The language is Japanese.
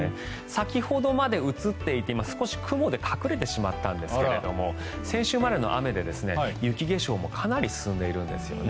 先ほどまで映っていて今、少し雲で隠れてしまったんですが先週までの雨で雪化粧もかなり進んでいるんですね。